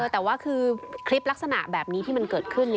แต่ว่าคือคลิปลักษณะแบบนี้ที่มันเกิดขึ้น